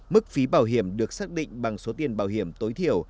mức phí bảo hiểm được xác định bằng số tiền bảo hiểm tối thiểu